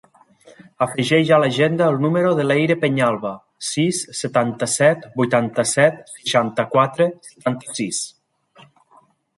Afegeix a l'agenda el número de l'Eire Peñalba: sis, setanta-set, vuitanta-set, seixanta-quatre, setanta-sis.